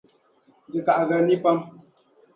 Di kahigiri nii pam.